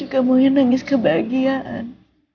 aku juga mau nangis kebahagiaan